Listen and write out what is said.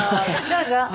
どうぞ。